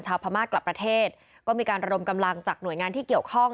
พม่ากลับประเทศก็มีการระดมกำลังจากหน่วยงานที่เกี่ยวข้อง